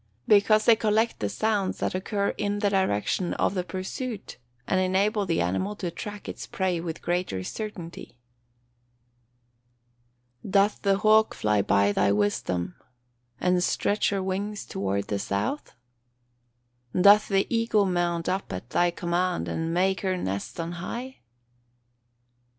_ Because they collect the sounds that occur in the direction of the pursuit, and enable the animal to track its prey with greater certainty. [Verse: "Doth the hawk fly by thy wisdom, and stretch her wings toward the south? "Doth the eagle mount up at thy command, and make her nest on high?"